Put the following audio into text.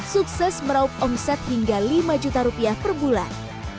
sukses meraup omset hingga lima juta rupiah per bulan